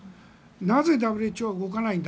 なぜＷＨＯは動かないんだ。